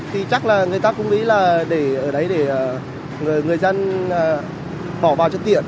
thì chắc là người ta cũng nghĩ là để ở đấy để người dân bỏ vào trước tiện